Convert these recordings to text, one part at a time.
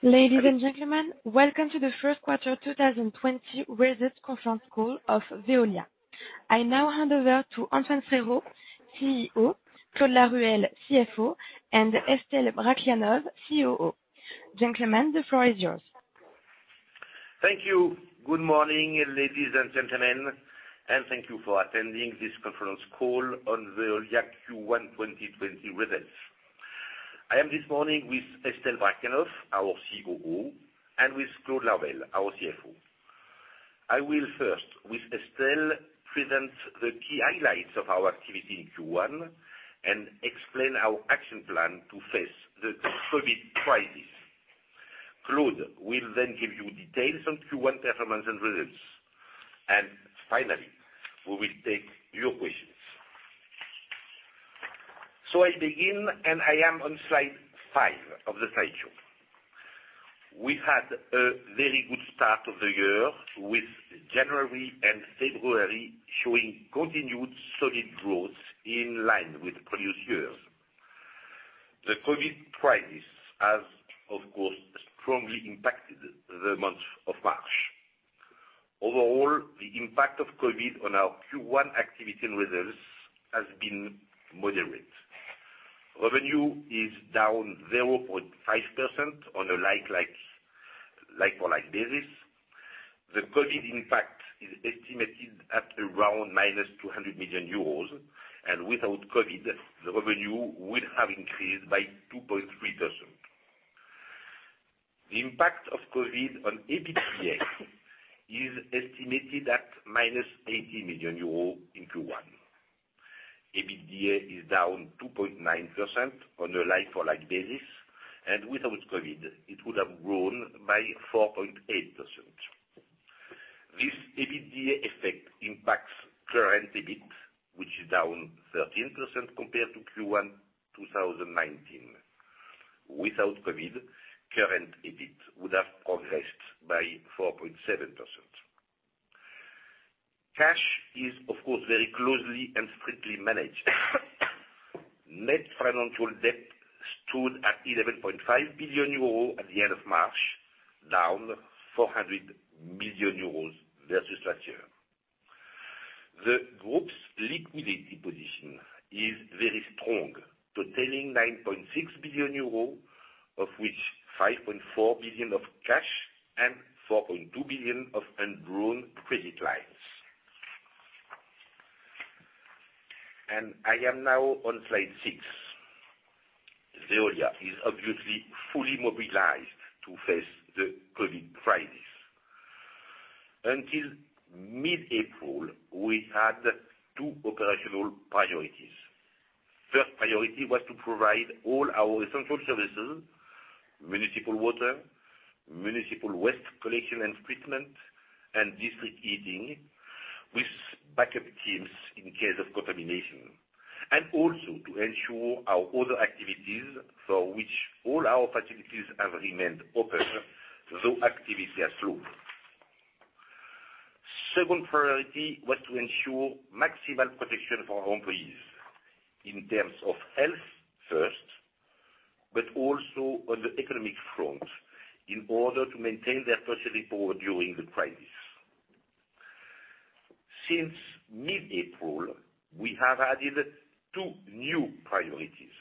Ladies and gentlemen, welcome to the first quarter 2020 results conference call of Veolia. I now hand over to Antoine Frérot, CEO, Claude Laruelle, CFO, and Estelle Brachlianoff, COO. Gentlemen, the floor is yours. Thank you. Good morning, ladies and gentlemen, and thank you for attending this conference call on Veolia Q1 2020 results. I am this morning with Estelle Brachlianoff, our COO, and with Claude Laruelle, our CFO. I will first, with Estelle, present the key highlights of our activity in Q1 and explain our action plan to face the COVID crisis. Claude will then give you details on Q1 performance and results, and finally, we will take your questions. I begin, and I am on slide five of the slideshow. We had a very good start of the year with January and February showing continued solid growth in line with the previous years. The COVID crisis has, of course, strongly impacted the month of March. Overall, the impact of COVID on our Q1 activity results has been moderate. Revenue is down 0.5% on a like-for-like basis. The COVID impact is estimated at around -200 million euros. Without COVID, the revenue would have increased by 2.3%. The impact of COVID on EBITDA is estimated at -80 million euros in Q1. EBITDA is down 2.9% on a like-for-like basis. Without COVID, it would have grown by 4.8%. This EBITDA effect impacts current EBIT, which is down 13% compared to Q1 2019. Without COVID, current EBIT would have progressed by 4.7%. Cash is, of course, very closely and strictly managed. Net financial debt stood at 11.5 billion euros at the end of March, down 400 million euros versus last year. The group's liquidity position is very strong, totaling 9.6 billion euros, of which 5.4 billion of cash and 4.2 billion of undrawn credit lines. I am now on slide six. Veolia is obviously fully mobilized to face the COVID crisis. Until mid-April, we had two operational priorities. First priority was to provide all our essential services, municipal water, municipal waste collection and treatment, and district heating with backup teams in case of contamination. Also to ensure our other activities for which all our facilities have remained open, though activity has slowed. Second priority was to ensure maximal protection for our employees in terms of health first, but also on the economic front in order to maintain their purchasing power during the crisis. Since mid-April, we have added two new priorities.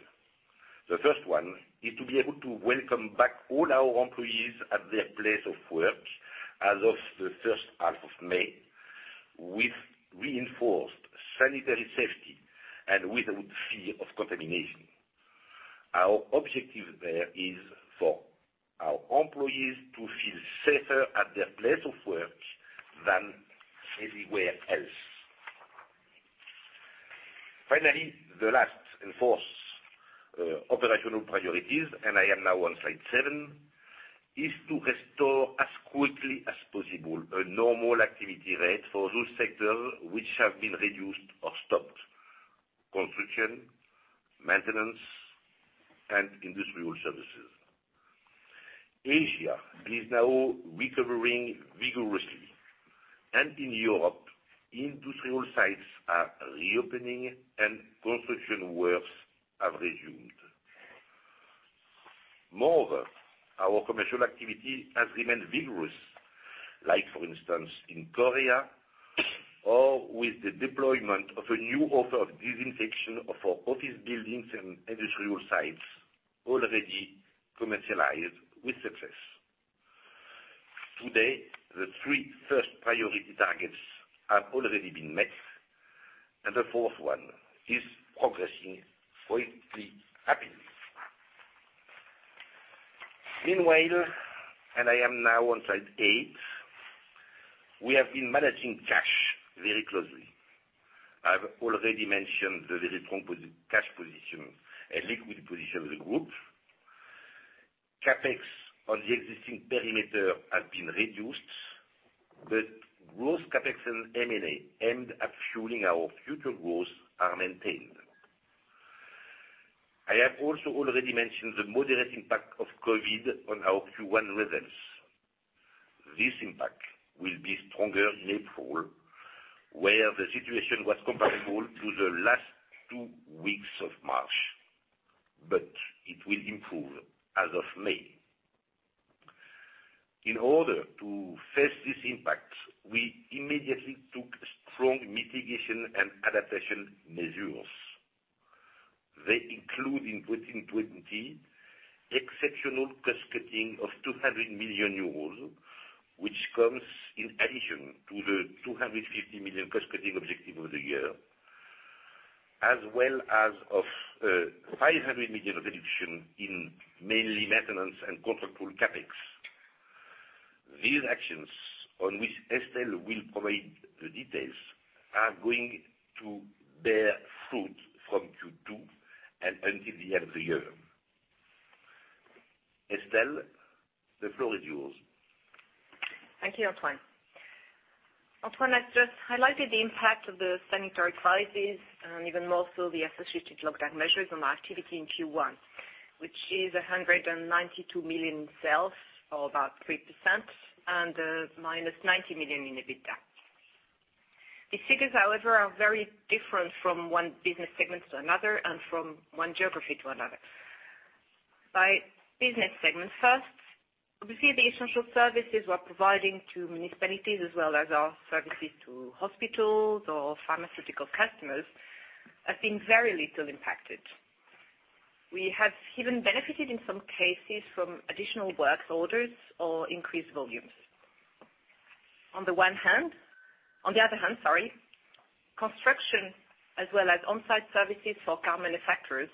The first one is to be able to welcome back all our employees at their place of work as of the first half of May with reinforced sanitary safety and without fear of contamination. Our objective there is for our employees to feel safer at their place of work than anywhere else. Finally, the last and fourth operational priorities, and I am now on slide seven, is to restore as quickly as possible a normal activity rate for those sectors which have been reduced or stopped. Construction, maintenance, and industrial services. Asia is now recovering vigorously, and in Europe, industrial sites are reopening, and construction works have resumed. Moreover, our commercial activity has remained vigorous, like for instance, in Korea, or with the deployment of a new offer of disinfection of our office buildings and industrial sites already commercialized with success. Today, the three first priority targets have already been met, and the fourth one is progressing quite happily. Meanwhile, and I am now on slide eight, we have been managing cash very closely. I've already mentioned the very strong cash position and liquidity position of the group. CapEx on the existing perimeter has been reduced, but growth CapEx and M&A aimed at fueling our future growth are maintained. I have also already mentioned the moderate impact of COVID on our Q1 results. This impact will be stronger in April, where the situation was comparable to the last two weeks of March, but it will improve as of May. In order to face this impact, we immediately took strong mitigation and adaptation measures. They include, in 2020, exceptional cost-cutting of 200 million euros, which comes in addition to the 250 million cost-cutting objective of the year, as well as of 500 million of reduction in mainly maintenance and controllable CapEx. These actions, on which Estelle will provide the details, are going to bear fruit from Q2 and until the end of the year. Estelle, the floor is yours. Thank you, Antoine. Antoine has just highlighted the impact of the sanitary crisis, and even more so the associated lockdown measures on our activity in Q1, which is 192 million in sales, or about 3%, and a -90 million in EBITDA. These figures, however, are very different from one business segment to another, and from one geography to another. By business segment first, we see the essential services we're providing to municipalities as well as our services to hospitals or pharmaceutical customers, have been very little impacted. We have even benefited in some cases from additional work orders or increased volumes. On the other hand, construction as well as on-site services for car manufacturers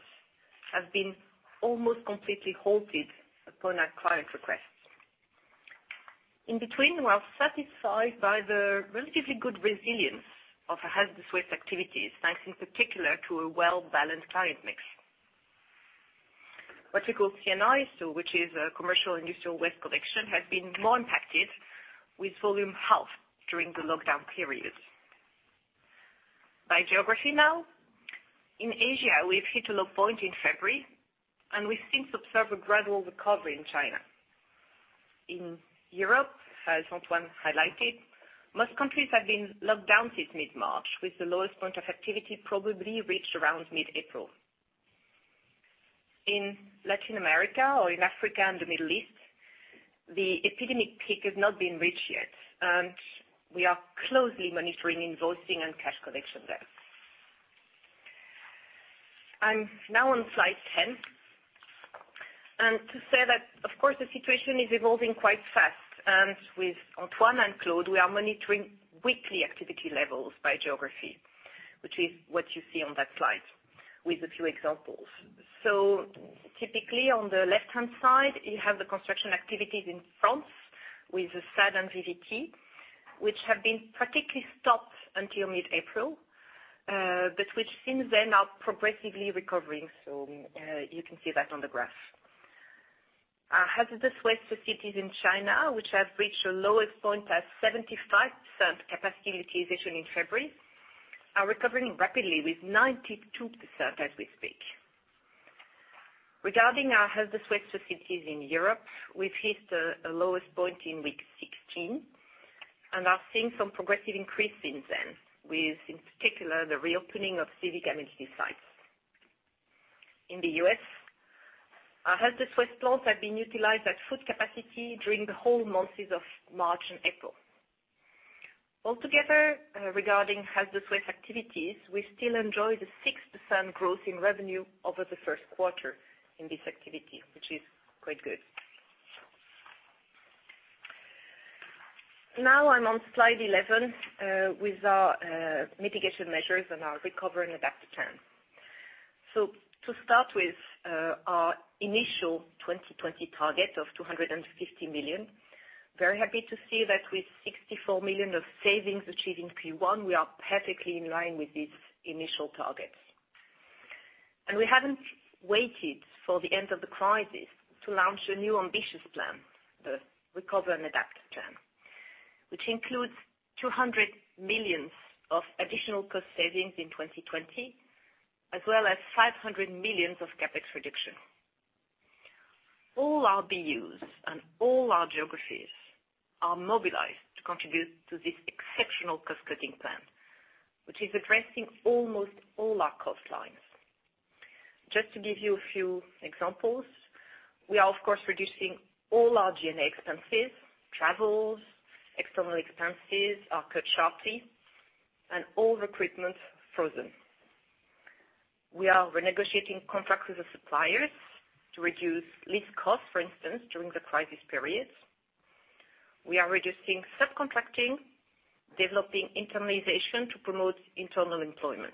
have been almost completely halted upon our clients' requests. In between, we are satisfied by the relatively good resilience of hazardous waste activities, thanks in particular to a well-balanced client mix. What we call C&I, which is commercial industrial waste collection, has been more impacted with volume half during the lockdown period. By geography now. In Asia, we've hit a low point in February, we since observe a gradual recovery in China. In Europe, as Antoine highlighted, most countries have been locked down since mid-March, with the lowest point of activity probably reached around mid-April. In Latin America or in Africa and the Middle East, the epidemic peak has not been reached yet, we are closely monitoring invoicing and cash collection there. I'm now on slide 10. To say that, of course, the situation is evolving quite fast, with Antoine and Claude, we are monitoring weekly activity levels by geography, which is what you see on that slide with a few examples. Typically, on the left-hand side, you have the construction activities in France with SADE and VVT, which have been practically stopped until mid-April, which since then are progressively recovering. You can see that on the graph. Our hazardous waste facilities in China, which have reached the lowest point at 75% capacity utilization in February, are recovering rapidly with 92% as we speak. Regarding our hazardous waste facilities in Europe, we've hit the lowest point in week 16 and are seeing some progressive increase since then, with, in particular, the reopening of civic amenity sites. In the U.S., our hazardous waste plants have been utilized at full capacity during the whole months of March and April. Altogether, regarding hazardous waste activities, we still enjoy the 6% growth in revenue over the first quarter in this activity, which is quite good. I'm on slide 11, with our mitigation measures and our Recover and Adapt plan. To start with, our initial 2020 target of 250 million, very happy to see that with 64 million of savings achieved in Q1, we are perfectly in line with these initial targets. We haven't waited for the end of the crisis to launch a new ambitious plan, the Recover and Adapt plan, which includes 200 million of additional cost savings in 2020, as well as 500 million of CapEx reduction. All our BUs and all our geographies are mobilized to contribute to this exceptional cost-cutting plan, which is addressing almost all our cost lines. Just to give you a few examples, we are, of course, reducing all our G&A expenses. Travels, external expenses are cut sharply and all recruitment frozen. We are renegotiating contracts with the suppliers to reduce lease costs, for instance, during the crisis periods. We are reducing subcontracting, developing internalization to promote internal employment.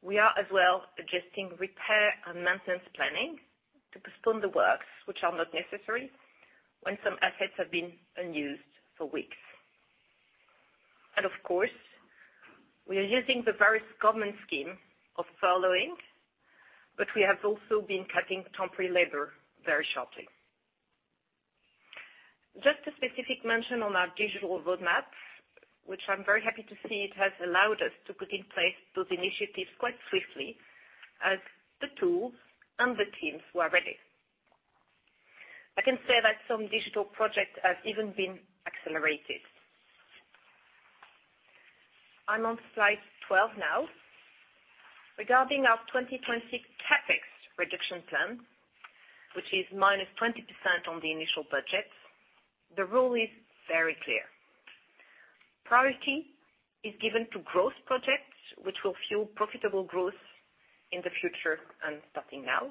We are as well adjusting repair and maintenance planning to postpone the works which are not necessary when some assets have been unused for weeks. Of course, we are using the various government scheme of furloughing, but we have also been cutting temporary labor very sharply. Just a specific mention on our digital roadmap, which I'm very happy to see, it has allowed us to put in place those initiatives quite swiftly as the tools and the teams were ready. I can say that some digital projects have even been accelerated. I'm on slide 12 now. Regarding our 2020 CapEx reduction plan, which is -20% on the initial budget, the rule is very clear. Priority is given to growth projects, which will fuel profitable growth in the future and starting now.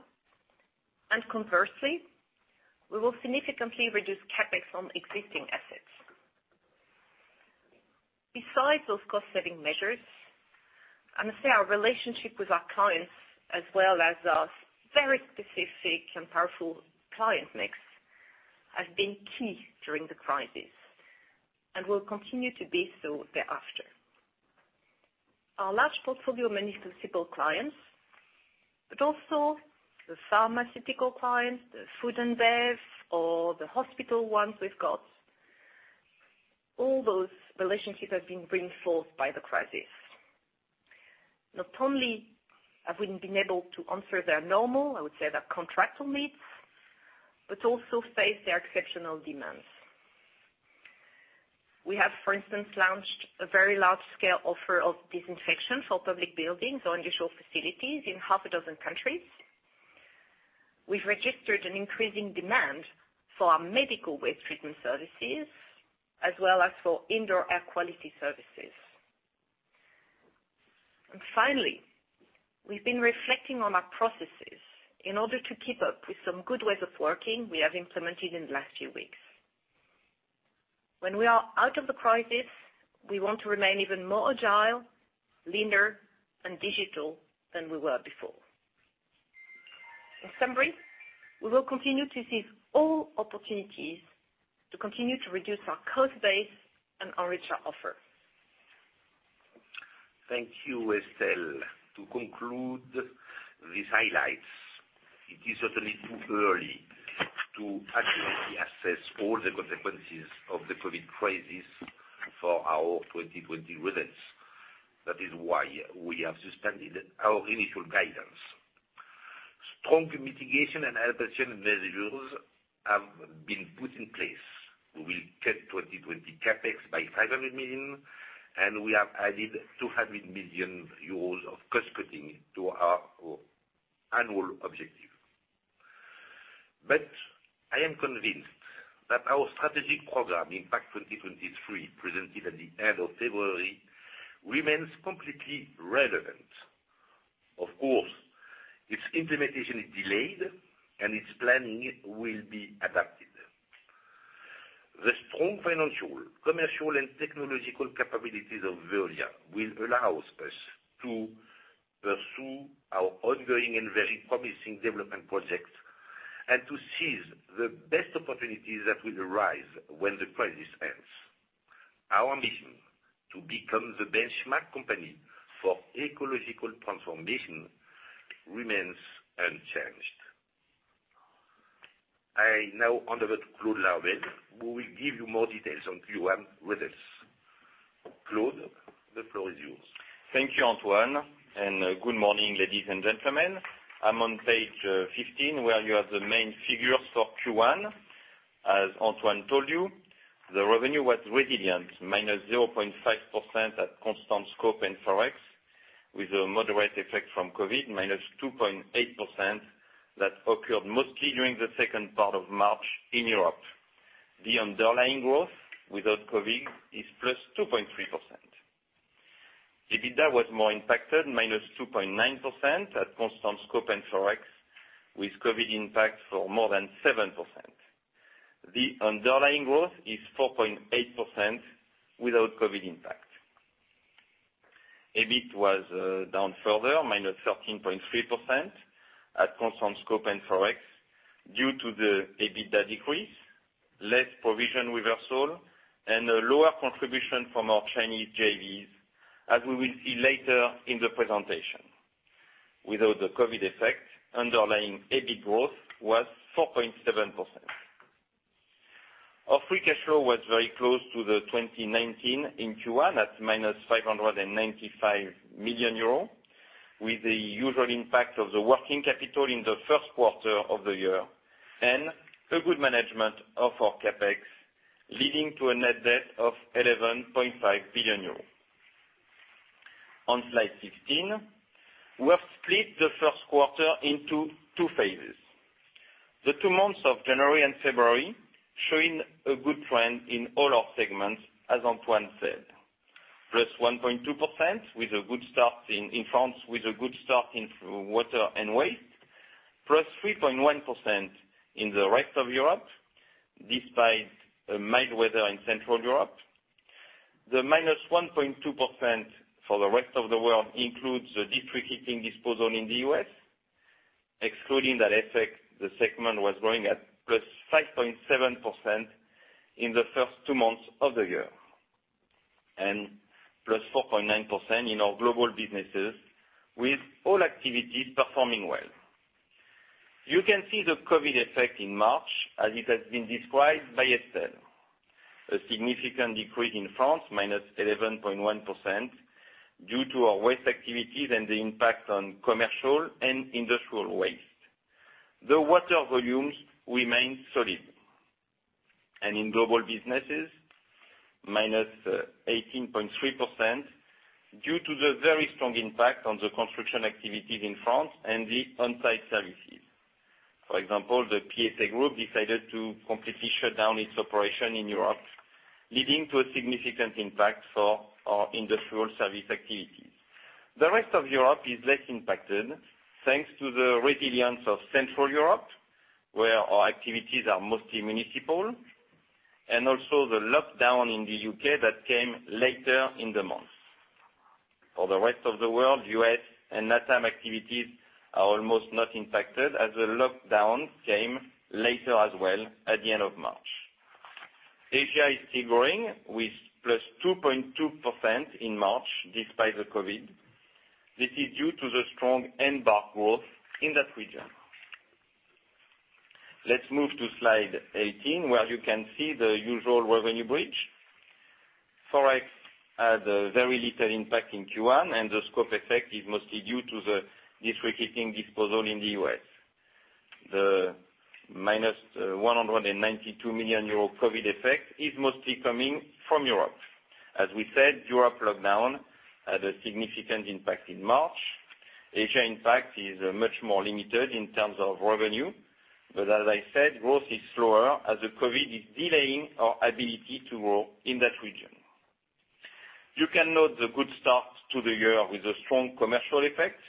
Conversely, we will significantly reduce CapEx on existing assets. Besides those cost-saving measures, I must say our relationship with our clients, as well as our very specific and powerful client mix, has been key during the crisis and will continue to be so thereafter. Our large portfolio of municipal clients, also the pharmaceutical clients, the food and beverage, or the hospital ones we've got, all those relationships have been reinforced by the crisis. Not only have we been able to answer their normal, I would say their contractual needs, also face their exceptional demands. We have, for instance, launched a very large-scale offer of disinfection for public buildings or industrial facilities in half a dozen countries. We've registered an increasing demand for our medical waste treatment services, as well as for indoor air quality services. Finally, we've been reflecting on our processes in order to keep up with some good ways of working we have implemented in the last few weeks. When we are out of the crisis, we want to remain even more agile, leaner, and digital than we were before. In summary, we will continue to seize all opportunities to continue to reduce our cost base and enrich our offer. Thank you, Estelle. To conclude these highlights, it is certainly too early to accurately assess all the consequences of the COVID crisis for our 2020 results. That is why we have suspended our initial guidance. Strong mitigation and adaptation measures have been put in place. We will cut 2020 CapEx by 500 million, and we have added 200 million euros of cost-cutting to our annual objective. I am convinced that our strategic program, Impact 2023, presented at the end of February, remains completely relevant. Of course, its implementation is delayed, and its planning will be adapted. The strong financial, commercial, and technological capabilities of Veolia will allow us to pursue our ongoing and very promising development projects and to seize the best opportunities that will arise when the crisis ends. Our mission to become the benchmark company for ecological transformation remains unchanged. I now hand over to Claude Laruelle, who will give you more details on Q1 results. Claude, the floor is yours. Thank you, Antoine, and good morning, ladies and gentlemen. I'm on page 15, where you have the main figures for Q1. As Antoine told you, the revenue was resilient, -0.5% at constant scope and Forex, with a moderate effect from COVID, -2.8%, that occurred mostly during the second part of March in Europe. The underlying growth without COVID is +2.3%. EBITDA was more impacted, -2.9% at constant scope and Forex, with COVID impact for more than 7%. The underlying growth is 4.8% without COVID impact. EBIT was down further, -13.3% at constant scope and Forex due to the EBITDA decrease, less provision reversal, and a lower contribution from our Chinese JVs, as we will see later in the presentation. Without the COVID effect, underlying EBIT growth was 4.7%. Our free cash flow was very close to the 2019 in Q1 at -595 million euros, with the usual impact of the working capital in the first quarter of the year and a good management of our CapEx, leading to a net debt of 11.5 billion euros. On slide 16, we have split the first quarter into two phases. The two months of January and February, showing a good trend in all our segments, as Antoine said. +1.2% with a good start in France, with a good start in water and waste. +3.1% in the rest of Europe, despite mild weather in Central Europe. The -1.2% for the rest of the world includes the district heating disposal in the U.S. Excluding that effect, the segment was growing at +5.7% in the first two months of the year, and +4.9% in our global businesses, with all activities performing well. You can see the COVID effect in March as it has been described by Estelle. A significant decrease in France, -11.1%, due to our waste activities and the impact on commercial and industrial waste. The water volumes remain solid. In global businesses, -18.3% due to the very strong impact on the construction activities in France and the on-site services. For example, the PSA Group decided to completely shut down its operation in Europe, leading to a significant impact for our industrial service activities. The rest of Europe is less impacted thanks to the resilience of Central Europe, where our activities are mostly municipal, and also the lockdown in the U.K. that came later in the month. For the rest of the world, U.S. and LATAM activities are almost not impacted as the lockdown came later as well at the end of March. Asia is still growing with +2.2% in March despite the COVID. This is due to the strong ENBA growth in that region. Let's move to slide 18 where you can see the usual revenue bridge. Forex had very little impact in Q1. The scope effect is mostly due to the district heating disposal in the U.S. The EUR-192 million COVID effect is mostly coming from Europe. As we said, Europe lockdown had a significant impact in March. Asia impact is much more limited in terms of revenue, as I said, growth is slower as the COVID is delaying our ability to grow in that region. You can note the good start to the year with the strong commercial effect,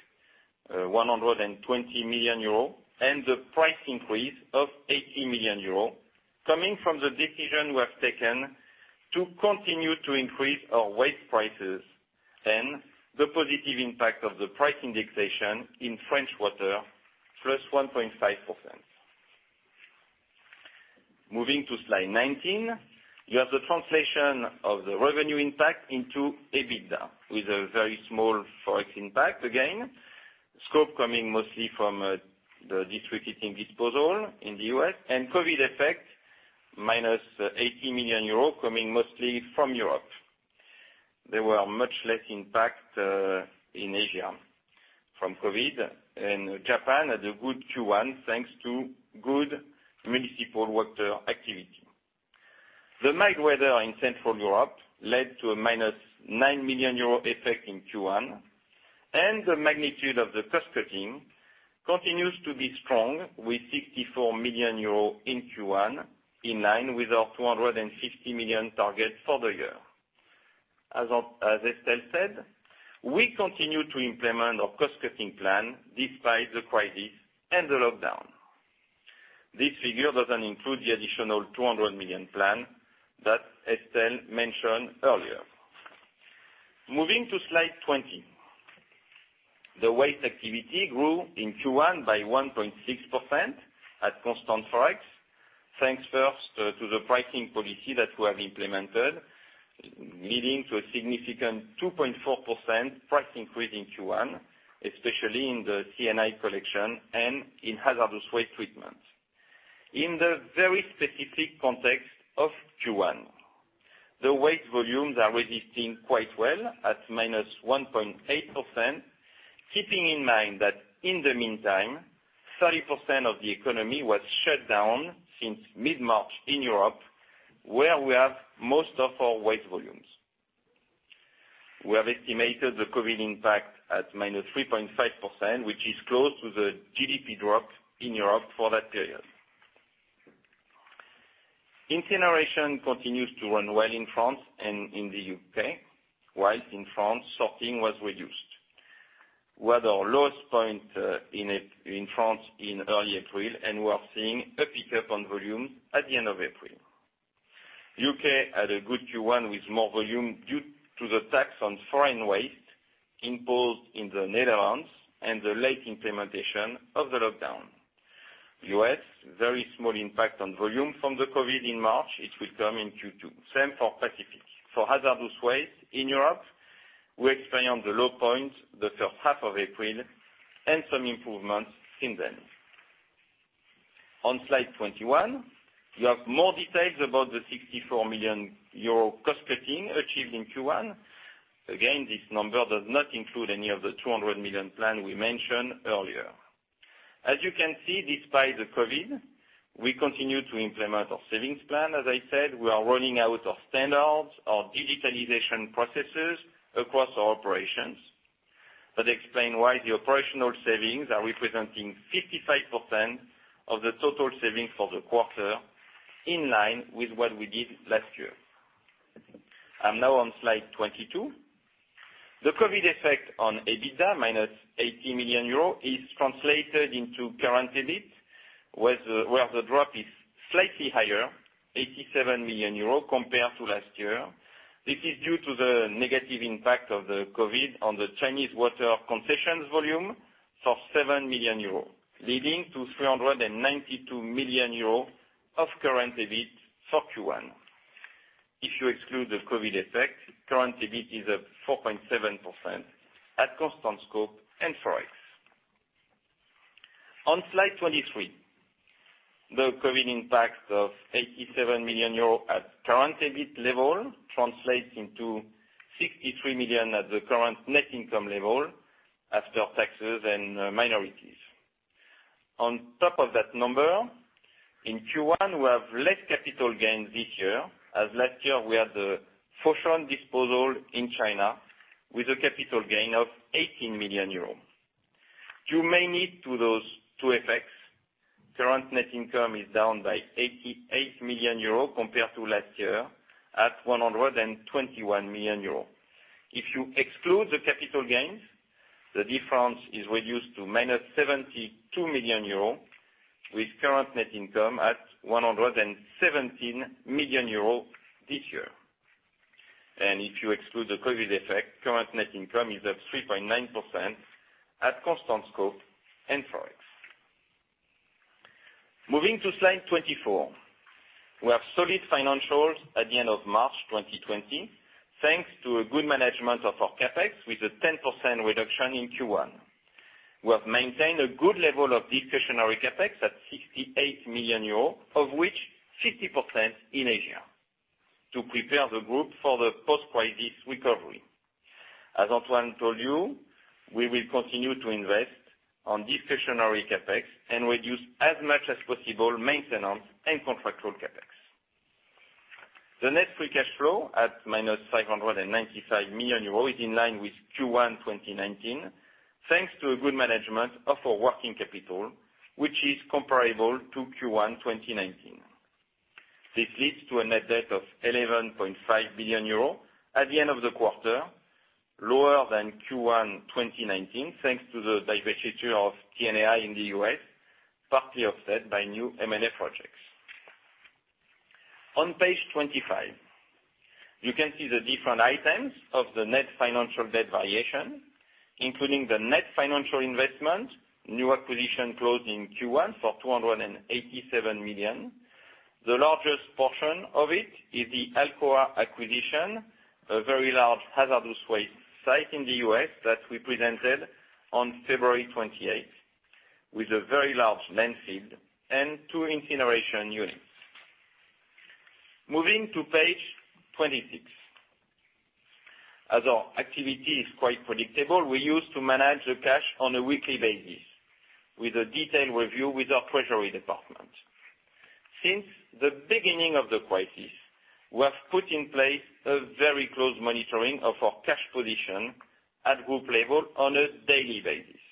120 million euro, and the price increase of 80 million euro coming from the decision we have taken to continue to increase our waste prices and the positive impact of the price indexation in French water, +1.5%. Moving to slide 19. You have the translation of the revenue impact into EBITDA with a very small Forex impact again. Scope coming mostly from the district heating disposal in the U.S., and COVID effect, -80 million euros, coming mostly from Europe. There were much less impact in Asia from COVID, and Japan had a good Q1 thanks to good municipal water activity. The mild weather in Central Europe led to a -9 million euro effect in Q1. The magnitude of the cost-cutting continues to be strong with 64 million euro in Q1, in line with our 250 million target for the year. As Estelle said, we continue to implement our cost-cutting plan despite the crisis and the lockdown. This figure doesn't include the additional 200 million plan that Estelle mentioned earlier. Moving to slide 20. The waste activity grew in Q1 by 1.6% at constant Forex. Thanks first to the pricing policy that we have implemented, leading to a significant 2.4% price increase in Q1, especially in the C&I collection and in hazardous waste treatment. In the very specific context of Q1, the waste volumes are resisting quite well at -1.8%, keeping in mind that in the meantime, 30% of the economy was shut down since mid-March in Europe, where we have most of our waste volumes. We have estimated the COVID impact at -3.5%, which is close to the GDP drop in Europe for that period. Incineration continues to run well in France and in the U.K. While in France, sorting was reduced. We had our lowest point in France in early April, and we are seeing a pickup on volume at the end of April. U.K. had a good Q1 with more volume due to the tax on foreign waste imposed in the Netherlands and the late implementation of the lockdown. U.S., very small impact on volume from the COVID in March. It will come in Q2. Same for Pacific. For hazardous waste in Europe, we experienced the low point the first half of April and some improvements since then. On slide 21, you have more details about the 64 million euro cost-cutting achieved in Q1. This number does not include any of the 200 million plan we mentioned earlier. As you can see, despite the COVID, we continue to implement our savings plan. As I said, we are rolling out our standards, our digitalization processes across our operations. That explain why the operational savings are representing 55% of the total savings for the quarter, in line with what we did last year. I'm now on slide 22. The COVID effect on EBITDA, -80 million euro, is translated into current EBIT, where the drop is slightly higher, 87 million euro compared to last year. This is due to the negative impact of the COVID on the Chinese water concessions volume for 7 million euros, leading to 392 million euros of current EBIT for Q1. If you exclude the COVID effect, current EBIT is up 4.7% at constant scope and Forex. On slide 23, the COVID impact of 87 million euro at current EBIT level translates into 63 million at the current net income level after taxes and minorities. On top of that number, in Q1, we have less capital gains this year, as last year we had the Fortum disposal in China with a capital gain of 18 million euros. Due mainly to those two effects, current net income is down by 88 million euro compared to last year, at 121 million euro. If you exclude the capital gains, the difference is reduced to -72 million euro, with current net income at 117 million euro this year. If you exclude the COVID effect, current net income is up 3.9% at constant scope and ForEx. Moving to slide 24. We have solid financials at the end of March 2020, thanks to a good management of our CapEx, with a 10% reduction in Q1. We have maintained a good level of discretionary CapEx at 68 million euros, of which 50% in Asia, to prepare the group for the post-crisis recovery. As Antoine told you, we will continue to invest on discretionary CapEx and reduce as much as possible maintenance and contractual CapEx. The net free cash flow, at -595 million euros, is in line with Q1 2019, thanks to a good management of our working capital, which is comparable to Q1 2019. This leads to a net debt of 11.5 billion euro at the end of the quarter, lower than Q1 2019, thanks to the divestiture of TNAI in the U.S., partly offset by new M&A projects. On page 25, you can see the different items of the net financial debt variation, including the net financial investment, new acquisition closed in Q1 for 287 million. The largest portion of it is the Alcoa acquisition, a very large hazardous waste site in the U.S. that we presented on February 28th, with a very large landfill and two incineration units. Moving to page 26. Our activity is quite predictable, we used to manage the cash on a weekly basis with a detailed review with our treasury department. Since the beginning of the crisis, we have put in place a very close monitoring of our cash position at group level on a daily basis.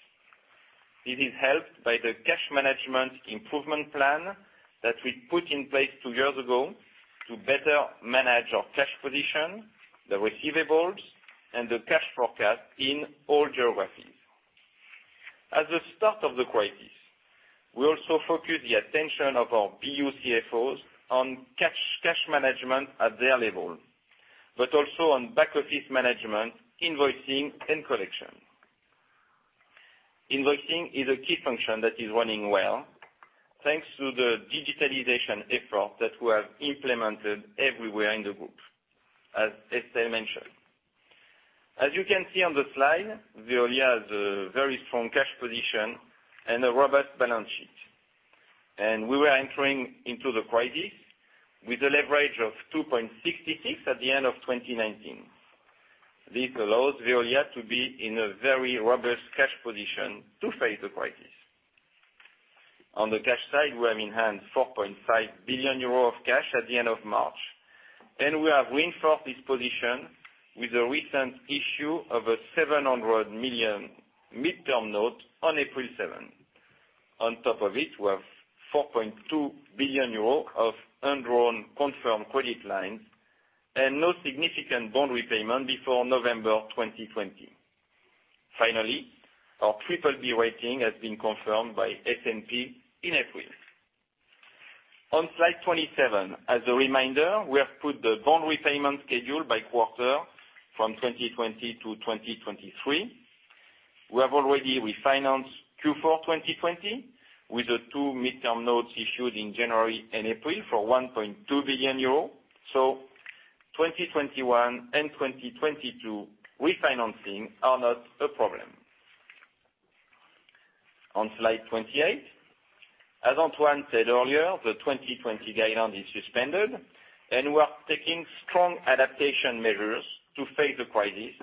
This is helped by the cash management improvement plan that we put in place two years ago to better manage our cash position, the receivables, and the cash forecast in all geographies. At the start of the crisis, we also focused the attention of our BU CFOs on cash management at their level, but also on back office management, invoicing, and collection. Invoicing is a key function that is running well, thanks to the digitalization effort that we have implemented everywhere in the group, as Estelle mentioned. As you can see on the slide, Veolia has a very strong cash position and a robust balance sheet. We were entering into the crisis with a leverage of 2.66x at the end of 2019. This allows Veolia to be in a very robust cash position to face the crisis. On the cash side, we have in hand 4.5 billion euro of cash at the end of March, and we have reinforced this position with the recent issue of a 700 million midterm note on April 7. On top of it, we have 4.2 billion euros of undrawn confirmed credit lines and no significant bond repayment before November 2020. Finally, our BBB rating has been confirmed by S&P in April. On slide 27, as a reminder, we have put the bond repayment schedule by quarter from 2020 to 2023. We have already refinanced Q4 2020 with the two midterm notes issued in January and April for 1.2 billion euro. 2021 and 2022 refinancing are not a problem. On slide 28, as Antoine said earlier, the 2020 guideline is suspended and we are taking strong adaptation measures to face the crisis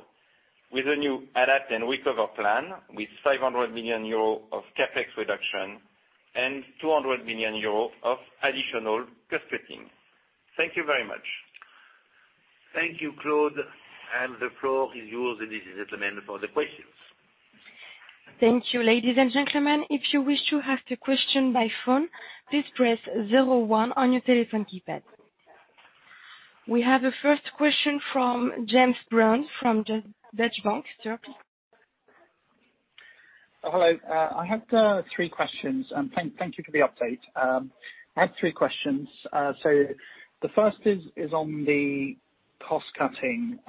with a new Recover and Adapt plan, with 500 million euro of CapEx reduction and 200 million euro of additional cost-cutting. Thank you very much. Thank you, Claude. The floor is yours, ladies and gentlemen, for the questions. Thank you, ladies and gentlemen. If you wish to ask a question by phone, please press zero one on your telephone keypad. We have the first question from James Brand from Deutsche Bank. Sir. Hello. I have three questions, and thank you for the update. I have three questions. The first is on the cost-cutting.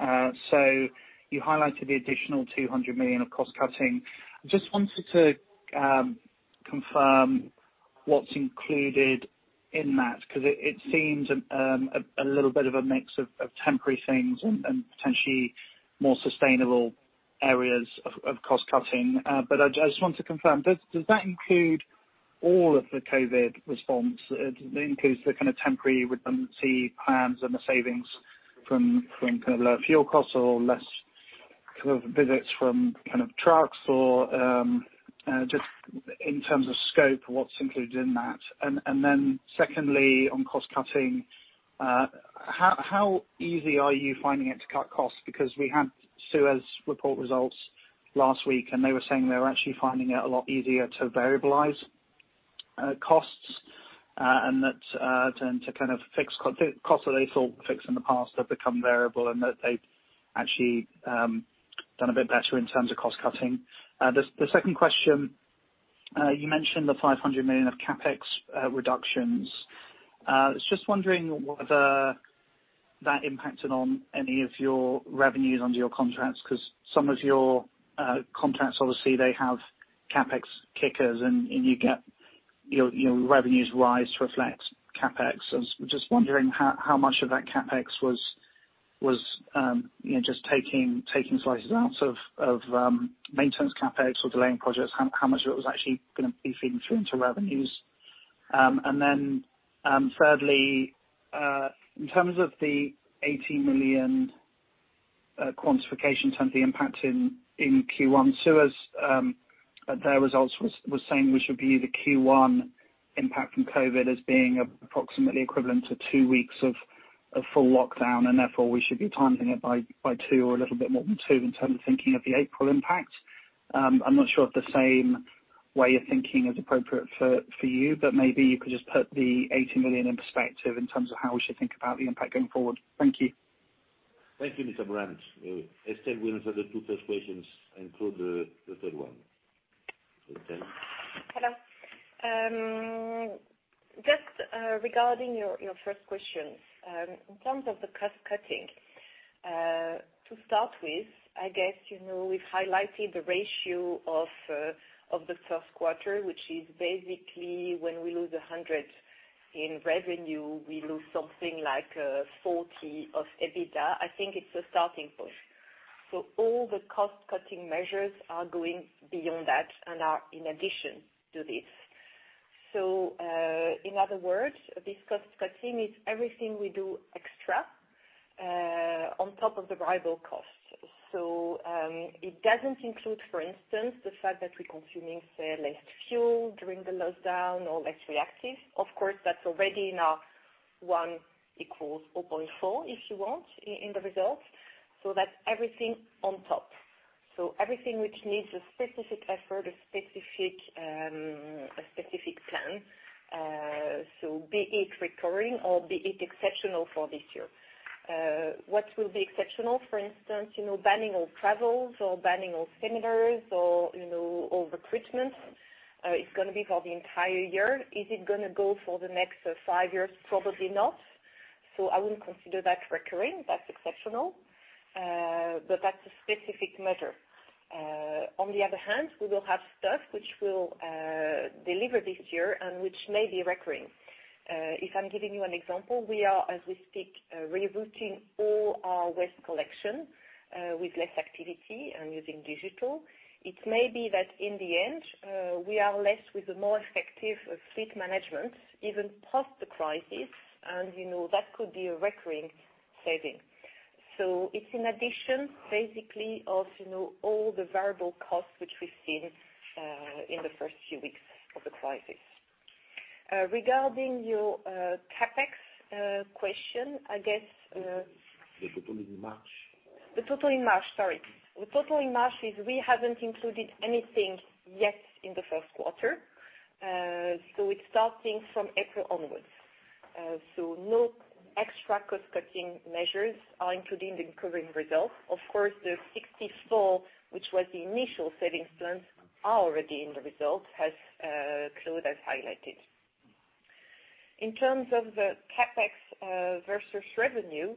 You highlighted the additional 200 million of cost-cutting. I just wanted to confirm what's included in that? It seems a little bit of a mix of temporary things and potentially more sustainable areas of cost-cutting. I just want to confirm, does that include all of the COVID response? Does it include the kind of temporary redundancy plans and the savings from lower fuel costs or less visits from trucks? Just in terms of scope, what's included in that? Secondly, on cost-cutting, how easy are you finding it to cut costs? We had Suez report results last week, and they were saying they were actually finding it a lot easier to variabilize costs, and that costs that they thought fixed in the past have become variable, and that they've actually done a bit better in terms of cost-cutting. The second question, you mentioned the 500 million of CapEx reductions. I was just wondering whether that impacted on any of your revenues under your contracts, because some of your contracts, obviously, they have CapEx kickers, and your revenues rise to reflect CapEx. I was just wondering how much of that CapEx was just taking slices out of maintenance CapEx or delaying projects. How much of it was actually going to be feeding through into revenues? Thirdly, in terms of the 80 million quantification in terms of the impact in Q1. Suez, their results was saying we should view the Q1 impact from COVID as being approximately equivalent to two weeks of full lockdown, and therefore, we should be timing it by two or a little bit more than two in terms of thinking of the April impact. I'm not sure if the same way of thinking is appropriate for you, but maybe you could just put the 80 million in perspective in terms of how we should think about the impact going forward. Thank you. Thank you, Mr. Brand. Estelle will answer the two first questions and Claude the third one. Estelle? Hello. Just regarding your first question. In terms of the cost-cutting, to start with, I guess, we've highlighted the ratio of the first quarter, which is basically when we lose 100 million in revenue, we lose something like 40 million of EBITDA. I think it's a starting point. All the cost-cutting measures are going beyond that and are in addition to this. In other words, this cost-cutting is everything we do extra on top of the variable costs. It doesn't include, for instance, the fact that we're consuming, say, less fuel during the lockdown or less reactive. Of course, that's already in our one equals 4.4x, if you want, in the results. That's everything on top. Everything which needs a specific effort, a specific plan. Be it recurring or be it exceptional for this year. What will be exceptional, for instance, banning all travels or banning all seminars or recruitment, is going to be for the entire year. Is it going to go for the next five years? Probably not. I wouldn't consider that recurring. That's exceptional. That's a specific measure. On the other hand, we will have stuff which we'll deliver this year and which may be recurring. If I'm giving you an example, we are, as we speak, rebooting all our waste collection, with less activity and using digital. It may be that in the end, we are left with a more effective fleet management, even past the crisis, and that could be a recurring saving. It's in addition, basically, of all the variable costs, which we've seen in the first few weeks of the crisis. Regarding your CapEx question, I guess. The total in March. The total in March, sorry. The total in March is we haven't included anything yet in the first quarter. It's starting from April onwards. No extra cost-cutting measures are included in current results. Of course, the 64 million, which was the initial savings plans, are already in the results, as Claude has highlighted. In terms of the CapEx versus revenue,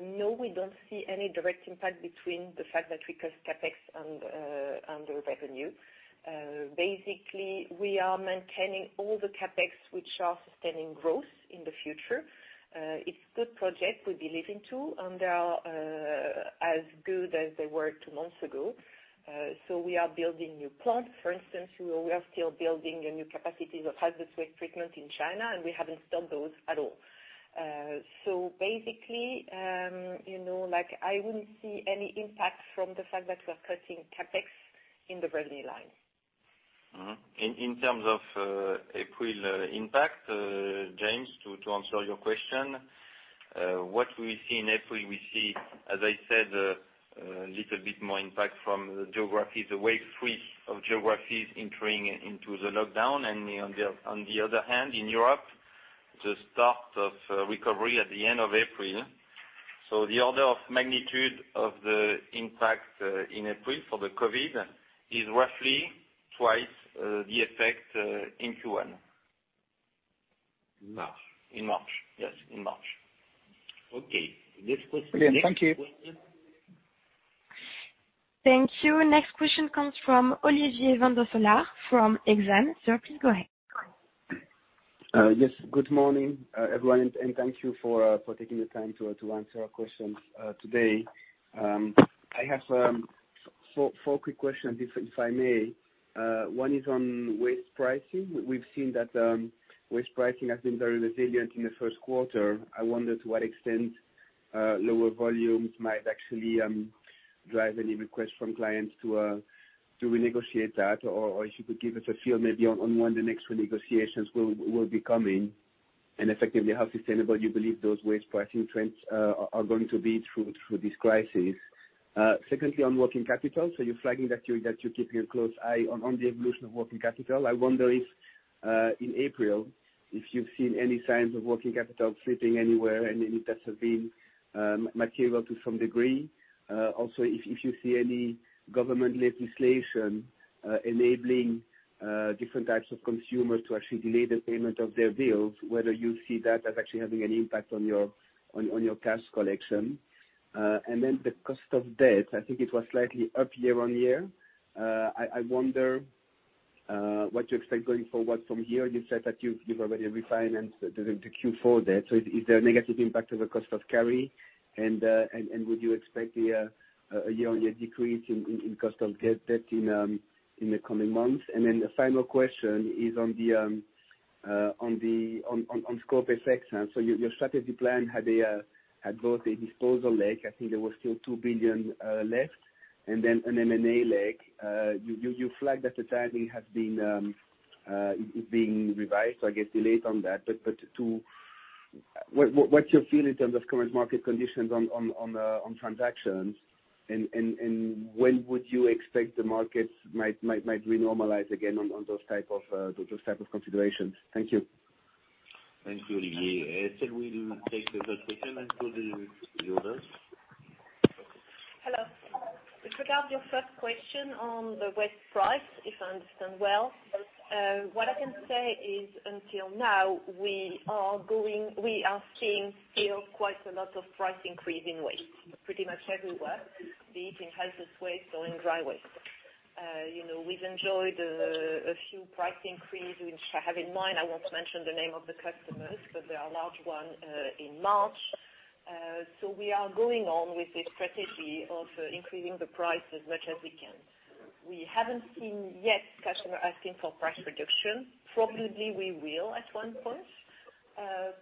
no, we don't see any direct impact between the fact that we cut CapEx and the revenue. Basically, we are maintaining all the CapEx which are sustaining growth in the future. It's good project we believe in too. They are as good as they were two months ago. We are building new plant. For instance, we are still building a new capacity of hazardous waste treatment in China. We haven't stopped those at all. Basically, I wouldn't see any impact from the fact that we're cutting CapEx in the revenue line. In terms of April impact, James, to answer your question, what we see in April, we see, as I said, a little bit more impact from the geographies, the wave three of geographies entering into the lockdown, and on the other hand, in Europe, the start of recovery at the end of April. The order of magnitude of the impact in April for the COVID is roughly twice the effect in Q1. In March. In March. Yes, in March. Okay. Next question. Brilliant. Thank you. Thank you. Next question comes from Olivier Van Doosselaere from Exane. Sir, please go ahead. Yes. Good morning, everyone, and thank you for taking the time to answer our questions today. I have four quick questions, if I may. One is on waste pricing. We've seen that waste pricing has been very resilient in the first quarter. I wonder to what extent lower volumes might actually drive any requests from clients to renegotiate that, or if you could give us a feel maybe on when the next renegotiations will be coming, and effectively, how sustainable you believe those waste pricing trends are going to be through this crisis. Secondly, on working capital. You're flagging that you're keeping a close eye on the evolution of working capital. I wonder if, in April, if you've seen any signs of working capital slipping anywhere, and if that's been material to some degree. If you see any government legislation enabling different types of consumers to actually delay the payment of their bills, whether you see that as actually having an impact on your cash collection. The cost of debt, I think it was slightly up year-on-year. I wonder what you expect going forward from here. You said that you've already refinanced the Q4 debt, so is there a negative impact on the cost of carry? Would you expect a year-on-year decrease in cost of debt in the coming months? A final question is on scope effects. Your strategy plan had both a disposal leg, I think there was still 2 billion left, and then an M&A leg. You flagged that the timing is being revised, so I guess delayed on that, but what's your feel in terms of current market conditions on transactions, and when would you expect the markets might re-normalize again on those type of considerations? Thank you. Thank you, Olivier. Estelle will take the first question, and Claude, the others. Hello. Regarding your first question on the waste price, if I understand well, what I can say is until now, we are seeing still quite a lot of price increase in waste, pretty much everywhere, be it in hazardous waste or in dry waste. We've enjoyed a few price increase, which I have in mind. I won't mention the name of the customers, but there are large one, in March. We are going on with this strategy of increasing the price as much as we can. We haven't seen yet customer asking for price reduction. Probably we will at one point.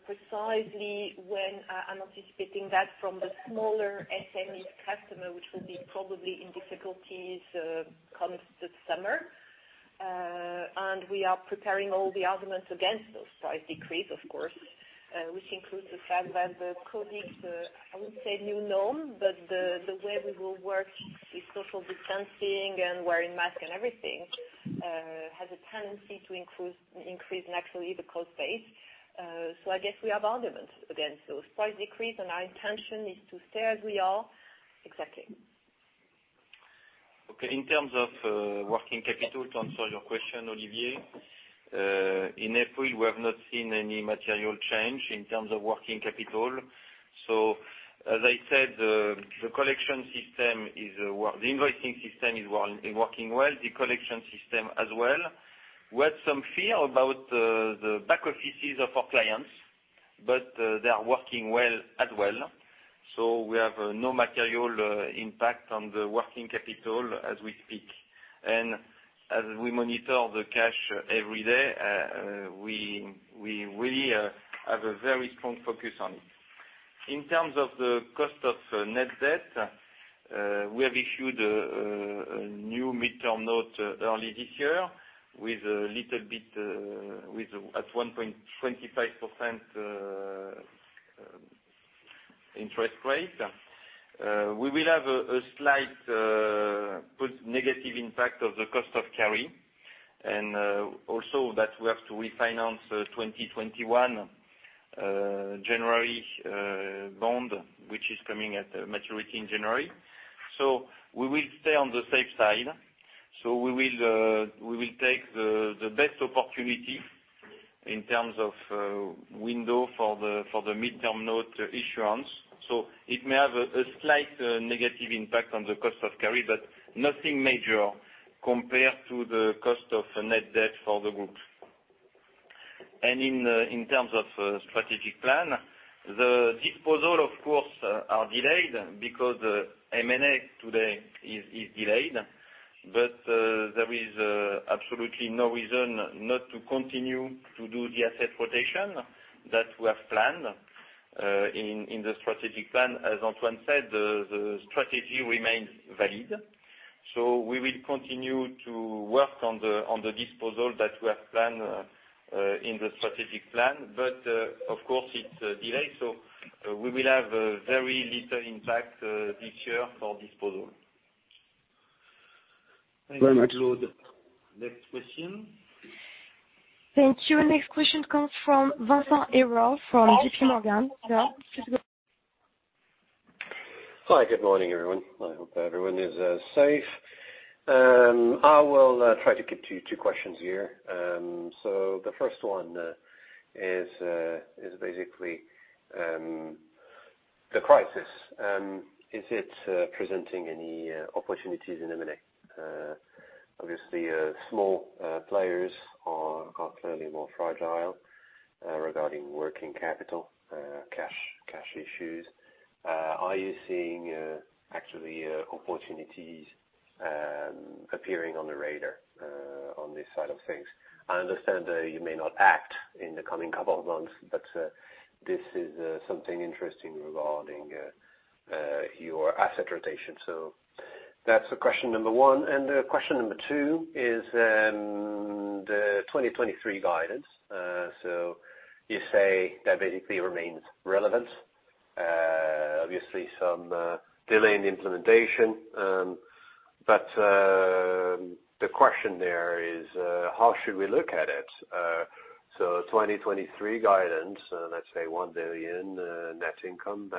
Precisely when, I'm anticipating that from the smaller SMEs customer, which will be probably in difficulties, come the summer. We are preparing all the arguments against those price decrease, of course, which includes the fact that the COVID, I wouldn't say new norm, but the way we will work, this social distancing and wearing mask and everything, has a tendency to increase naturally the cost base. I guess we have arguments against those price decrease, and our intention is to stay as we are. Exactly. Okay. In terms of working capital, to answer your question, Olivier. In April, we have not seen any material change in terms of working capital. As I said, the invoicing system is working well, the collection system as well. We had some fear about the back offices of our clients, but they are working well as well. We have no material impact on the working capital as we speak. As we monitor the cash every day, we really have a very strong focus on it. In terms of the cost of net debt, we have issued a new midterm note early this year at 1.25% interest rate. We will have a slight negative impact of the cost of carry, and also that we have to refinance 2021 January bond, which is coming at maturity in January. We will stay on the safe side. We will take the best opportunity in terms of window for the midterm note issuance. It may have a slight negative impact on the cost of carry, but nothing major compared to the cost of net debt for the group. In terms of strategic plan, the disposal, of course, are delayed because M&A today is delayed. There is absolutely no reason not to continue to do the asset rotation that we have planned in the strategic plan. As Antoine said, the strategy remains valid. We will continue to work on the disposal that we have planned in the strategic plan. Of course, it's delayed, so we will have very little impact this year for disposal. Very much. Thanks. Claude, Next question. Thank you. Next question comes from Vincent Ayral from JPMorgan. Sir. Hi, good morning, everyone. I hope everyone is safe. I will try to get to you two questions here. The first one is basically the crisis. Is it presenting any opportunities in M&A? Obviously, small players are clearly more fragile regarding working capital, cash issues. Are you seeing actually opportunities appearing on the radar on this side of things? I understand that you may not act in the coming couple of months, but this is something interesting regarding your asset rotation. That's the question number one. Question number two is the 2023 guidance. You say that basically remains relevant. Obviously some delayed implementation. The question there is how should we look at it? 2023 guidance, let's say 1 billion net income,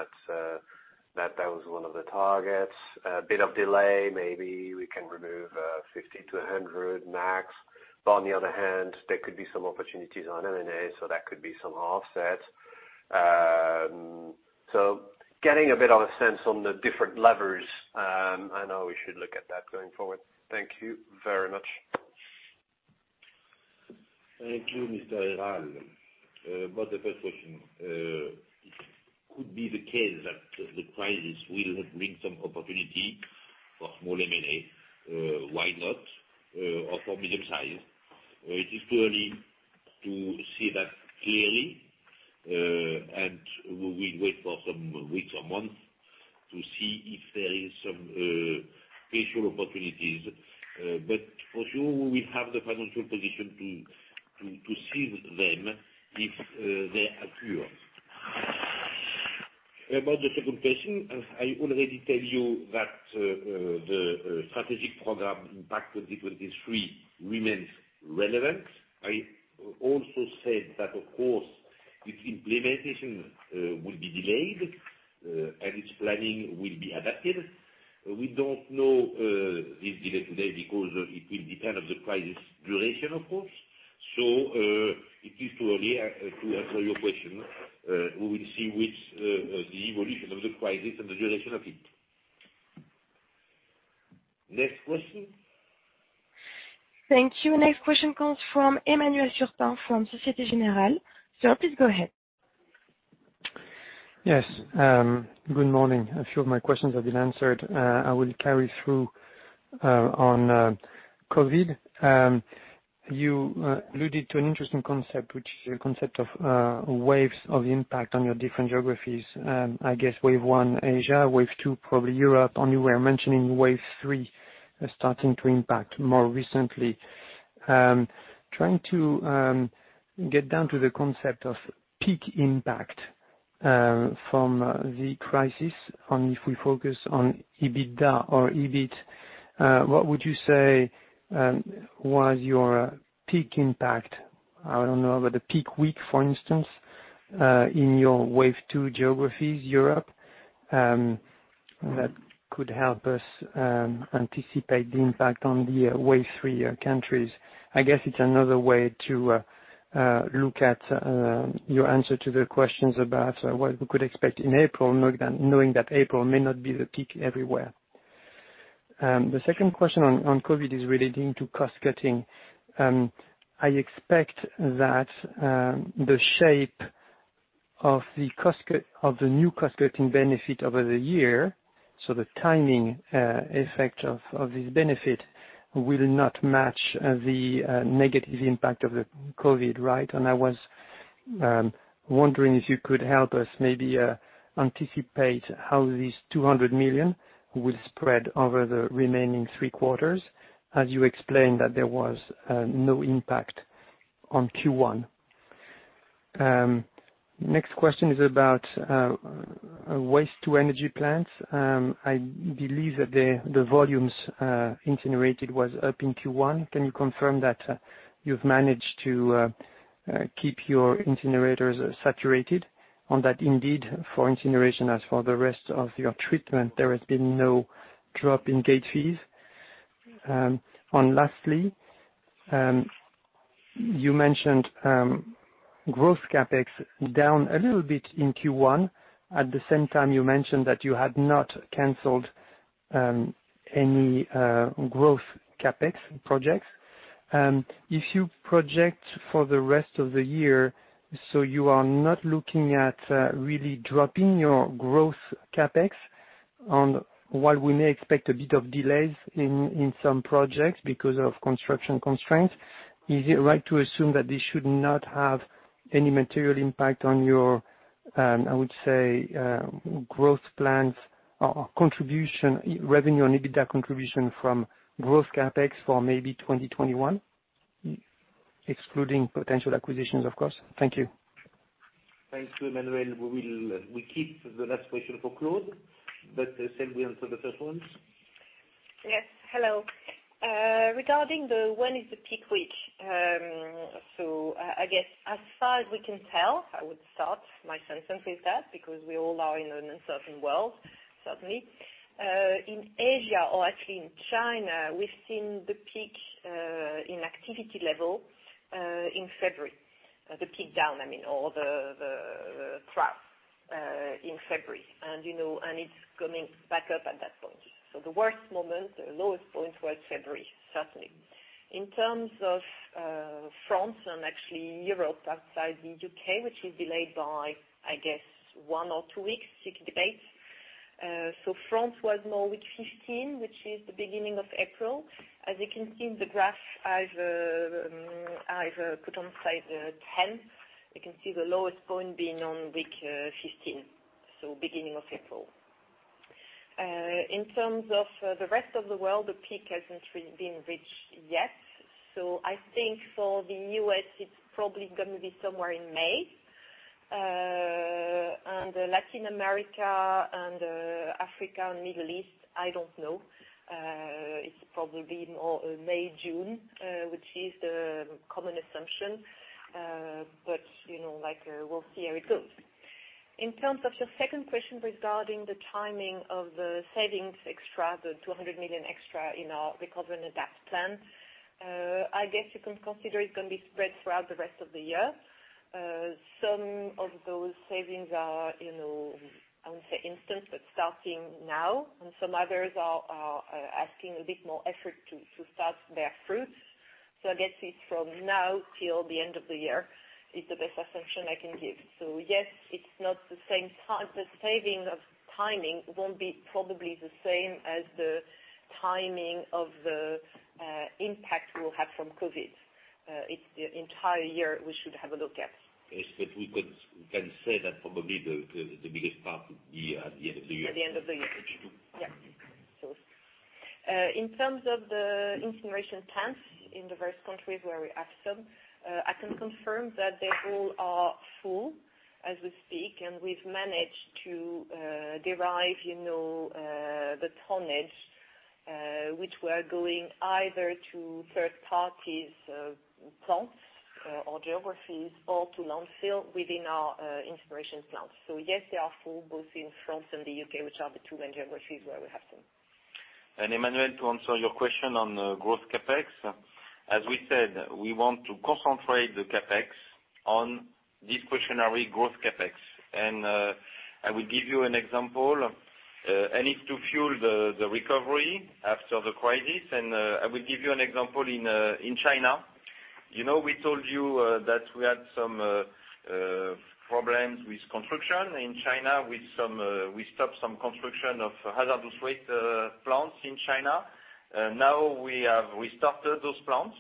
that was one of the targets. A bit of delay, maybe we can remove 50 million-100 million max. On the other hand, there could be some opportunities on M&A, so that could be some offset. Getting a bit of a sense on the different levers. I know we should look at that going forward. Thank you very much. Thank you, Mr. Ayral. About the first question, it could be the case that the crisis will not bring some opportunity for small M&A or for medium size. Why not? It is too early to see that clearly, and we will wait for some weeks or month to see if there is some special opportunities. For sure, we have the financial position to seize them if they occur. About the second question, I already tell you that the strategic program Impact 2023 remains relevant. I also said that, of course, its implementation will be delayed, and its planning will be adapted. We don't know this delay today because it will depend on the crisis duration, of course. It is too early to answer your question. We will see with the evolution of the crisis and the duration of it. Next question. Thank you. Next question comes from Emmanuel Turpin from Société Générale. Sir, please go ahead. Yes. Good morning. A few of my questions have been answered. I will carry through on COVID. You alluded to an interesting concept, which is your concept of waves of impact on your different geographies. I guess wave 1, Asia, wave 2, probably Europe, and you were mentioning wave 3 starting to impact more recently. Trying to get down to the concept of peak impact from the crisis on if we focus on EBITDA or EBIT, what would you say was your peak impact? I don't know, over the peak week, for instance, in your wave 2 geographies, Europe, that could help us anticipate the impact on the wave 3 countries. I guess it's another way to look at your answer to the questions about what we could expect in April, knowing that April may not be the peak everywhere. The second question on COVID is relating to cost-cutting. I expect that the shape of the new cost-cutting benefit over the year, so the timing effect of this benefit, will not match the negative impact of the COVID, right? I was wondering if you could help us maybe anticipate how these 200 million will spread over the remaining three quarters, as you explained that there was no impact on Q1. Next question is about waste-to-energy plants. I believe that the volumes incinerated was up in Q1. Can you confirm that you've managed to keep your incinerators saturated on that indeed, for incineration, as for the rest of your treatment, there has been no drop-in-gate fees? Lastly, you mentioned growth CapEx down a little bit in Q1. At the same time, you mentioned that you had not canceled any growth CapEx projects. If you project for the rest of the year, so you are not looking at really dropping your growth CapEx on while we may expect a bit of delays in some projects because of construction constraints, is it right to assume that this should not have any material impact on your, I would say, growth plans or contribution, revenue and EBITDA contribution from growth CapEx for maybe 2021? Excluding potential acquisitions, of course. Thank you. Thanks to Emmanuel. We keep the last question for Claude, but Estelle will answer the first ones. Yes. Hello. Regarding when is the peak reached, as far as we can tell, I would start my sentence with that, because we all are in an uncertain world, certainly. In Asia, or actually in China, we've seen the peak in activity level in February. The peak down, I mean, or the trough, in February. It's coming back up at that point. The worst moment, the lowest point was February, certainly. In terms of France and actually Europe, outside the U.K., which is delayed by, I guess, one or two weeks, you can debate. France was more week 15, which is the beginning of April. As you can see in the graph I've put on slide 10, you can see the lowest point being on week 15, beginning of April. In terms of the rest of the world, the peak hasn't been reached yet. I think for the U.S., it's probably going to be somewhere in May. Latin America and Africa and Middle East, I don't know. It's probably more May, June, which is the common assumption. We'll see how it goes. In terms of your second question regarding the timing of the savings extra, the 200 million extra in our Recover and Adapt plan, I guess you can consider it's going to be spread throughout the rest of the year. Some of those savings are, I won't say instant, but starting now, and some others are asking a bit more effort to start bear fruits. I guess it's from now till the end of the year, is the best assumption I can give. Yes, it's not the same time. The saving of timing won't be probably the same as the timing of the impact we'll have from COVID. It's the entire year we should have a look at. Yes, we can say that probably the biggest part would be at the end of the year. At the end of the year. H2. Yeah. In terms of the incineration plants in the various countries where we have some, I can confirm that they all are full as we speak, and we've managed to derive the tonnage, which were going either to third parties' plants or geographies or to landfill within our incineration plants. Yes, they are full both in France and the U.K., which are the two main geographies where we have them. Emmanuel Turpin, to answer your question on growth CapEx, as we said, we want to concentrate the CapEx on discretionary growth CapEx. I will give you an example, and it's to fuel the recovery after the crisis, and I will give you an example in China. We told you that we had some problems with construction in China with, we stopped some construction of hazardous waste plants in China. Now we have restarted those plants,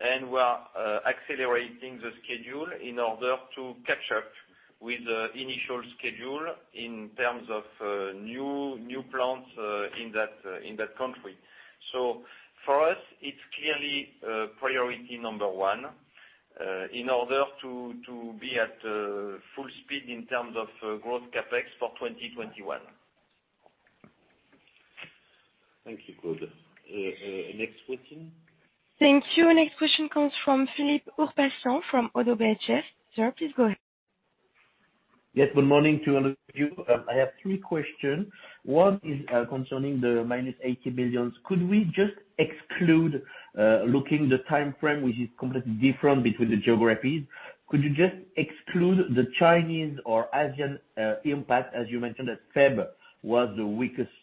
and we are accelerating the schedule in order to catch up with the initial schedule in terms of new plants in that country. For us, it's clearly priority number one in order to be at full speed in terms of growth CapEx for 2021. Thank you, Claude. Next question. Thank you. Next question comes from Philippe Ourpatian from Oddo BHF. Sir, please go ahead. Yes, good morning to all of you. I have three questions. One is concerning the -80 million. Could we just exclude, looking the time frame, which is completely different between the geographies, could you just exclude the Chinese or Asian impact, as you mentioned that February was the weakest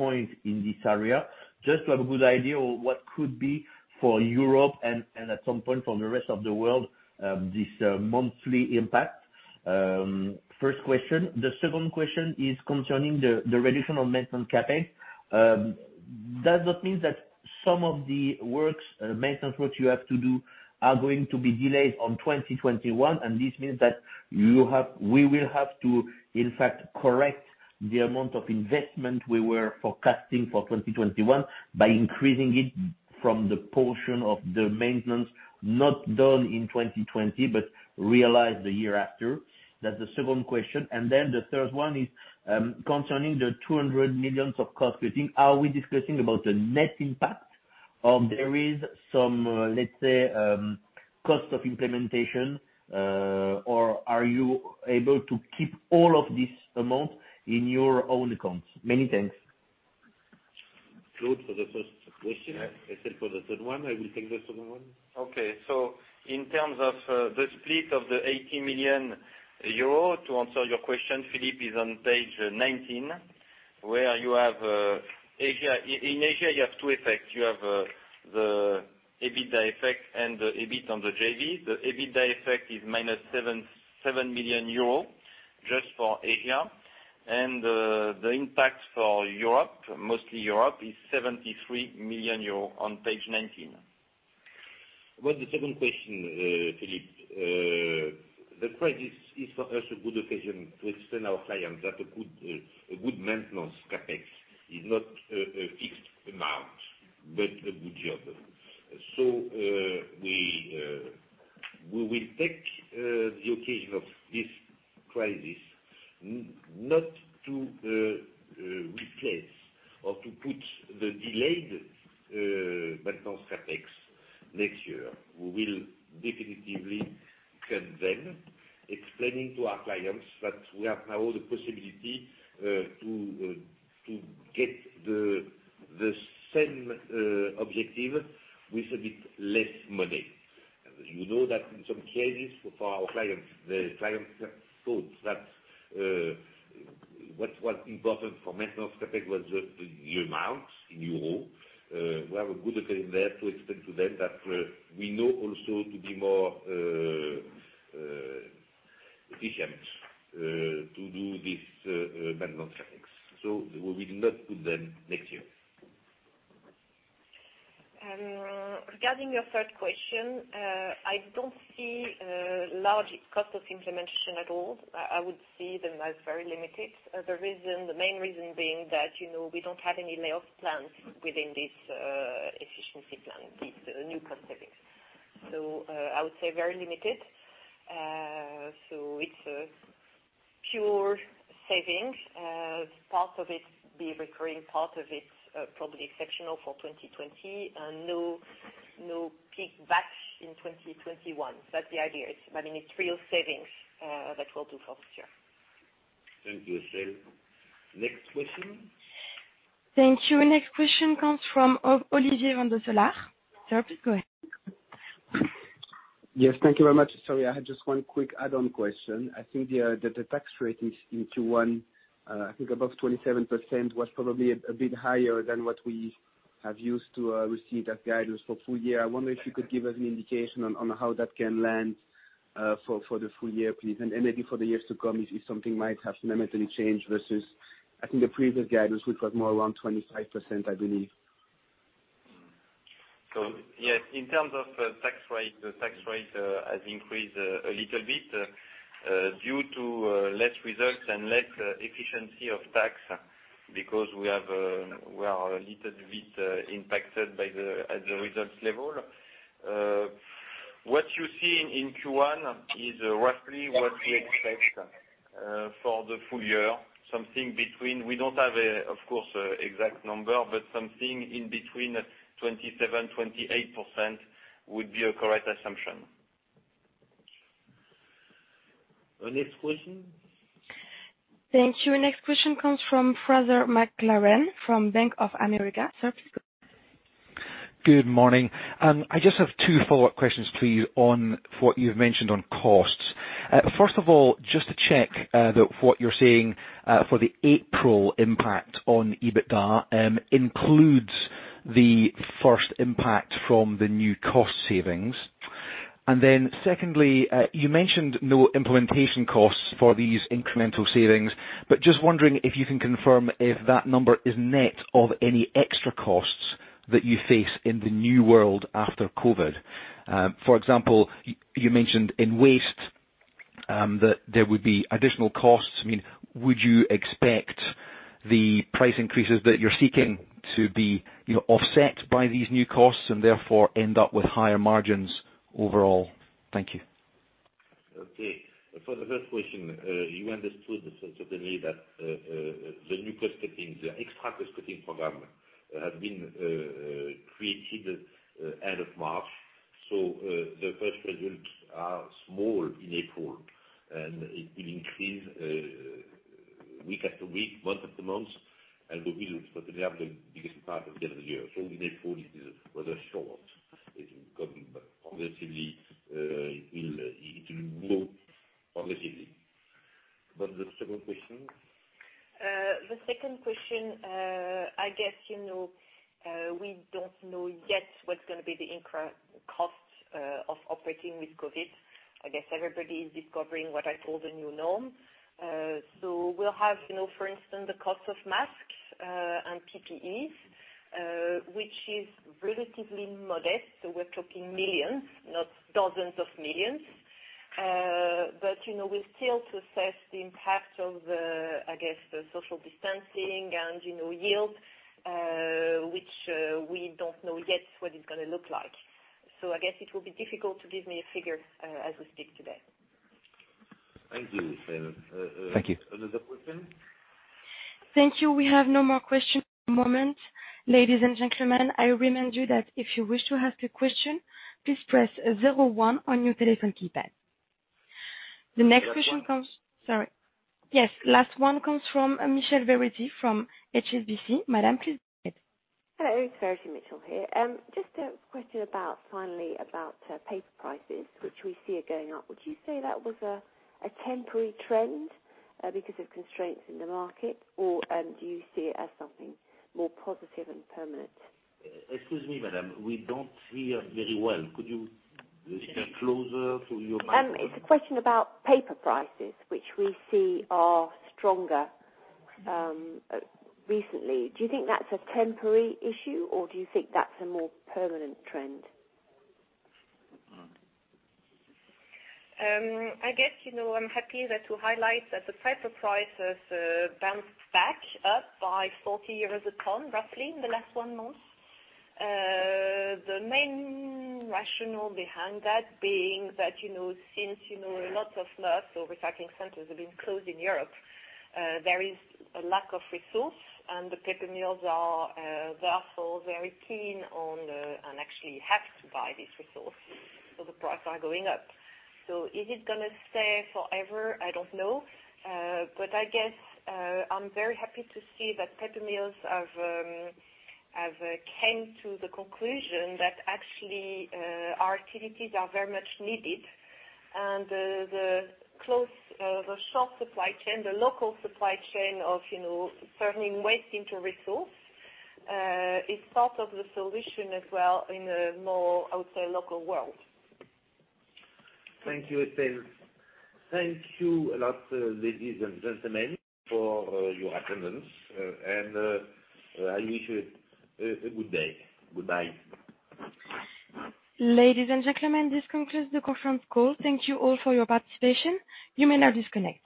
point in this area, just to have a good idea of what could be for Europe and at some point for the rest of the world, this monthly impact? First question. The second question is concerning the reduction on maintenance CapEx. Does that mean that some of the works, maintenance works you have to do, are going to be delayed on 2021? This means that we will have to, in fact, correct the amount of investment we were forecasting for 2021 by increasing it from the portion of the maintenance not done in 2020, but realized the year after? That's the second question. The third one is concerning the 200 million of cost-cutting. Are we discussing about the net impact, or there is some, let's say, cost of implementation, or are you able to keep all of this amount in your own accounts? Many thanks. Claude, for the first question. Yes. Estelle for the third one. I will take the second one. Okay. In terms of the split of the 80 million euro, to answer your question, Philippe, is on page 19, where you have Asia. In Asia, you have two effects. You have the EBITDA effect and the EBIT on the JV. The EBITDA effect is -7 million euros, just for Asia. The impact for Europe, mostly Europe, is 73 million euros on page 19. About the second question, Philippe, the crisis is for us a good occasion to explain our clients that a good maintenance CapEx is not a fixed amount, but a good job. We will take the occasion of this crisis not to replace or to put the delayed maintenance CapEx next year. We will definitively cut them, explaining to our clients that we have now the possibility to get the same objective with a bit less money. You know that in some cases, for our clients, the clients thought that what's important for maintenance CapEx was the amount in EUR. We have a good opportunity there to explain to them that we know also to be more efficient to do this maintenance CapEx. We will not put them next year. Regarding your third question, I don't see a large cost of implementation at all. I would see them as very limited. The main reason being that we don't have any layoff plans within this efficiency plan, this new cost savings. I would say very limited. It's a pure savings. Part of it be recurring, part of it probably exceptional for 2020, and no peak back in 2021. That's the idea. It's real savings that we'll do for this year. Thank you, Estelle. Next question? Thank you. Next question comes from Olivier Van Doosselaere. Sir, please go ahead. Yes, thank you very much. Sorry, I had just one quick add-on question. I think that the tax rate in Q1, I think above 27%, was probably a bit higher than what we have used to receive as guidance for full year. I wonder if you could give us an indication on how that can land for the full year, please, and maybe for the years to come, if something might have fundamentally changed versus, I think the previous guidance, which was more around 25%, I believe. Yes, in terms of tax rate, the tax rate has increased a little bit due to less results and less efficiency of tax because we are a little bit impacted at the results level. What you see in Q1 is roughly what we expect for the full year. We don't have, of course, a exact number, but something in between 27% and 28% would be a correct assumption. The next question? Thank you. Next question comes from Fraser McLaren from Bank of America. Sir, please go ahead. Good morning. I just have two follow-up questions for you on what you've mentioned on costs. First of all, just to check that what you're saying for the April impact on EBITDA includes the first impact from the new cost savings. Secondly, you mentioned no implementation costs for these incremental savings, but just wondering if you can confirm if that number is net of any extra costs that you face in the new world after COVID. For example, you mentioned in waste, that there would be additional costs. Would you expect the price increases that you're seeking to be offset by these new costs, and therefore end up with higher margins overall? Thank you. Okay. For the first question, you understood certainly that the new cost savings, the extra cost-saving program, has been created end of March. The first results are small in April, and it will increase week-after-week, month-after-month, and we will certainly have the biggest part of the other year. In April, it was a short. It will come, but progressively, it will grow progressively. The second question? The second question, I guess, we don't know yet what's going to be the increased cost of operating with COVID. I guess everybody is discovering what I call the new norm. We'll have, for instance, the cost of masks and PPEs, which is relatively modest. We're talking millions, not dozens of millions. We've still to assess the impact of the, I guess, the social distancing and yield, which we don't know yet what it's going to look like. I guess it will be difficult to give me a figure as we speak today. Thank you, Estelle. Thank you. Another question? Thank you. We have no more questions at the moment. Ladies and gentlemen, I remind you that if you wish to ask a question, please press zero one on your telephone keypad. Last one. Sorry. Yes, last one comes from Verity Mitchell from HSBC. Madam, please go ahead. Hello, it's Verity Mitchell here. Just a question finally about paper prices, which we see are going up. Would you say that was a temporary trend because of constraints in the market, or do you see it as something more positive and permanent? Excuse me, madam, we don't hear very well. Could you speak closer to your microphone? It's a question about paper prices, which we see are stronger recently. Do you think that's a temporary issue, or do you think that's a more permanent trend? I guess, I'm happy that to highlight that the paper prices bounced back up by 40 euros a ton, roughly, in the last one month. The main rationale behind that being that since a lot of mills or recycling centers have been closed in Europe, there is a lack of resource, and the paper mills are therefore very keen on and actually have to buy these resources. The price are going up. Is it gonna stay forever? I don't know. I guess, I'm very happy to see that paper mills have came to the conclusion that actually, our activities are very much needed. The short supply chain, the local supply chain of turning waste into resource, is part of the solution as well in a more, I would say, local world. Thank you, Estelle. Thank you a lot, ladies and gentlemen, for your attendance, and I wish you a good day. Goodbye. Ladies and gentlemen, this concludes the conference call. Thank you all for your participation. You may now disconnect.